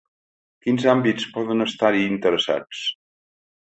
Quins àmbits poden estar-hi interessats?